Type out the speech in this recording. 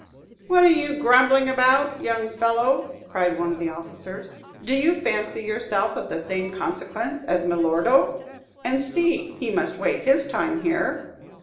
"What are you grumbling about, young fellow?" cried one of the officers. "Do you fancy yourself of the same consequence as Milordo? And see, he must wait his time here."